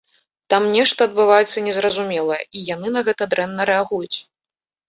Там нешта адбываецца незразумелае, і яны на гэта дрэнна рэагуюць.